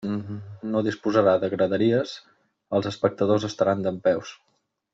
No disposarà de graderies, els espectadors estaran dempeus.